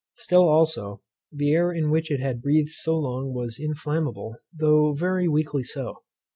Still also the air in which it had breathed so long was inflammable, though very weakly so.